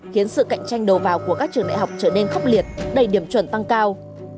khiến sự cạnh tranh đầu vào của các trường đại học trở nên khốc liệt đầy điểm chuẩn tăng cao